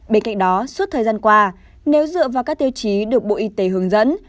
bên cạnh đó suốt thời gian qua nếu dựa vào các tiêu chí được bộ y tế hướng dẫn